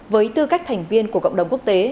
với tư cách thành viên của cộng đồng quốc tế